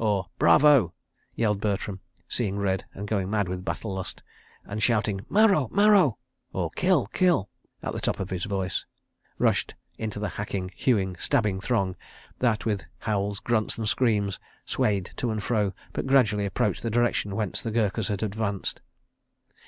{224a} yelled Bertram, seeing red, and going mad with battle lust, and shouting "Maro! Maro!" {224b} at the top of his voice, rushed into the hacking, hewing, stabbing throng that, with howls, grunts, and screams, swayed to and fro, but gradually approached the direction whence the Gurkhas had advanced.